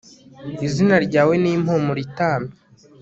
izina ryawe ni impumuro itamye